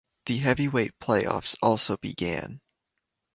The heavyweight playoffs also began.